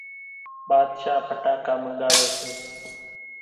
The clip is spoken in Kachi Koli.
ٻاۮشاھ ڦٽاڪا منڳاوي سي،